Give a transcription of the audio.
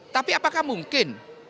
tapi apakah mungkin